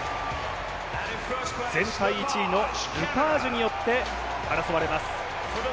全体１位のルパージュによって争われます。